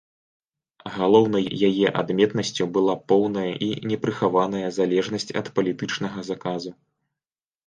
Галоўнай яе адметнасцю была поўная і непрыхаваная залежнасць ад палітычнага заказу.